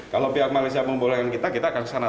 kalau pihak malaysia membolehkan kita kita akan ke sana